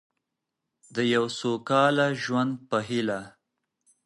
د یو سوکاله ژوند په هیله.